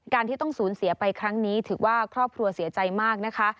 ที่ต้องสูญเสียไปครั้งนี้ถือว่าครอบครัวเสียใจมากนะคะ